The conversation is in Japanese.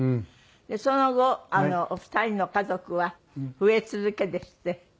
その後お二人の家族は増え続けですって？